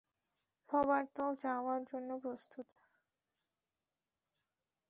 Roberto যাওয়ার জন্য প্রস্তুত।